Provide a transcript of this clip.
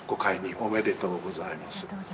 ありがとうございます。